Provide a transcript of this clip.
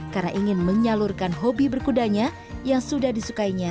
karena ingin menyalurkan hobi berkudanya yang sudah disukainya